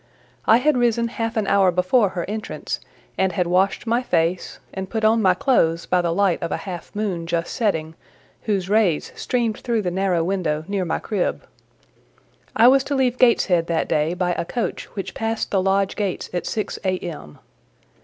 I had risen half an hour before her entrance, and had washed my face, and put on my clothes by the light of a half moon just setting, whose rays streamed through the narrow window near my crib. I was to leave Gateshead that day by a coach which passed the lodge gates at six A.M.